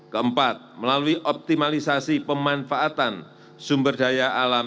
keempat melalui optimalisasi pemanfaatan sumber daya alam